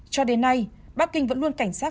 cho đến nay bắc kinh vẫn luôn cảnh sát